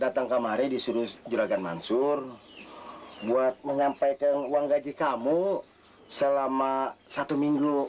datang kemarin disuruh juragan mansur buat mengampekan uang gaji kamu selama satu minggu